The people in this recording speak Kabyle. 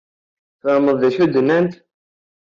Tfehmeḍ d acu i d-nnant?